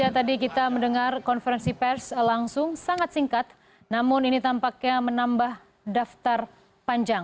tidak ada pertanyaan pertanyaan